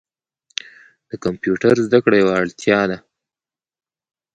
د کمپیوټر زده کړه یوه اړتیا ده.